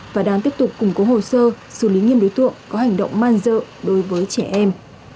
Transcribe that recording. và đang tiếp tục củng cố hồ sơ xử lý nghiêm đối tượng có hành động man dợ đối với trẻ em